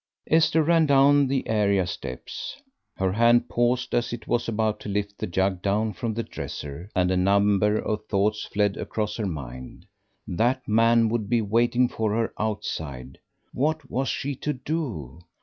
Esther ran down the area steps. Her hand paused as it was about to lift the jug down from the dresser, and a number of thoughts fled across her mind. That man would be waiting for her outside. What was she to do?